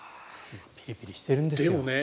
ピリピリしてるんですね。